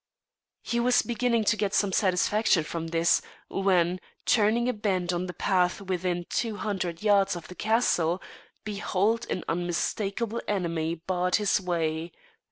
He was beginning to get some satisfaction from this, when, turning a bend of the path within two hundred yards of the castle, behold an unmistakable enemy barred his way!